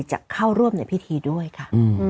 จะเข้าร่วมในพิธีด้วยค่ะ